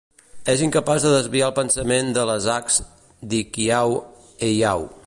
És incapaç de desviar el pensament de les hacs d'Hikiau Heiau.